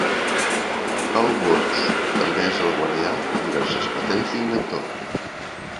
Paul Bouts també és el guardià de diverses patents d'inventor.